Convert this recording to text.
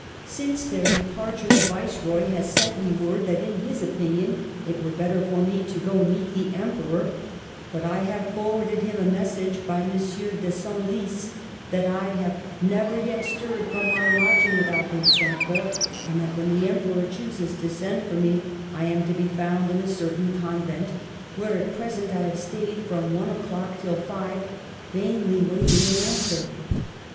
Since their departure the Viceroy has sent me word that in his opinion it were better for me to go to meet the Emperor \ but I have forwarded him a message by Monsieur de Senlys that I have never yet stirred from my lodging without being sent for, and that when the Emperor chooses to send for me I am to be found in a certain convent, where at present I have stayed from one o'clock till five, vainly waiting an answer.